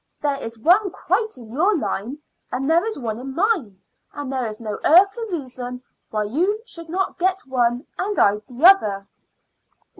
There is one quite in your line, and there is one in mine; and there is no earthly reason why you should not get one and I the other."